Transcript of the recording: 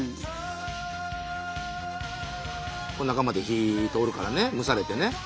中まで火通るからね蒸されてね。